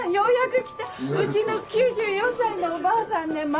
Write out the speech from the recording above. うちの９４歳のおばあさんね